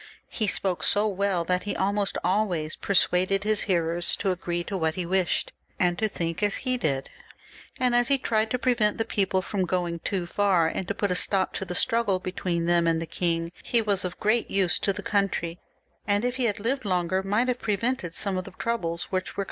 He spoke so well that he almost always persuaded his hearers to agree to what he wished, and to think as he did, and as he tried to prevent the people from going too far, and to put a stop to the struggle between them and the king, he was of great use to the country, and if he had lived longer might have prevented some of the troubles which were 392 THE REVOLUTION. [CH.